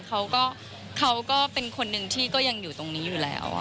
เขาก็เขาก็เป็นคนหนึ่งที่ก็ยังอยู่ตรงนี้อยู่แล้ว